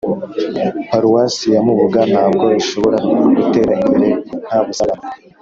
paruwasi ya mubuga ntabwo ishobora gutera imbere nta busabane